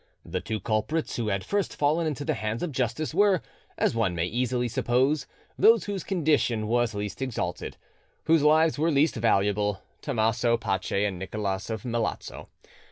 The two culprits who had first fallen into the hands of justice were, as one may easily suppose, those whose condition was least exalted, whose lives were least valuable, Tommaso Pace and Nicholas of Melazzo.